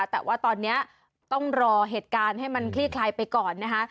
แต่ว่าตอนนี้ต้องรอเหตุการณ์ให้มันคลี่คลายไปก่อนนะคะ